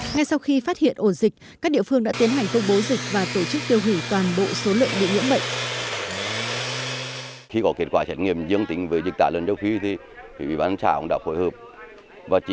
ngay sau khi phát hiện ổ dịch các địa phương đã tiến hành công bố dịch